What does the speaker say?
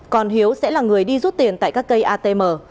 còn hiếu sẽ là người đi rút tiền tại các cây atm